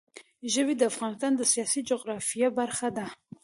ژبې د افغانستان د سیاسي جغرافیه برخه ده.